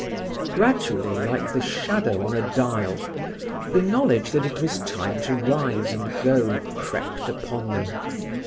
Gradually, like the shadow on a dial, the knowledge that it was time to rise and go crept upon them.